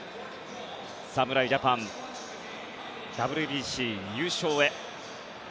侍ジャパン、ＷＢＣ優勝へ。